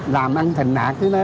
làm ăn thịnh đạt